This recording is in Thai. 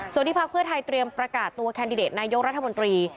ส่วนที่พักเพื่อไทยเตรียมประกาศตัวแคนดิเดตนายกรัฐมนตรี